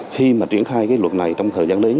khi mà triển khai cái luật này trong thời gian đến